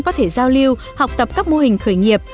có thể giao lưu học tập các mô hình khởi nghiệp